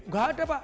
enggak ada pak